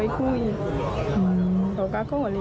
แต่ว่าแม่